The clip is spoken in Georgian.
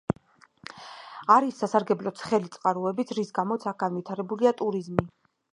არის სასარგებლო ცხელი წყაროებიც, რის გამოც აქ განვითარებულია ტურიზმი.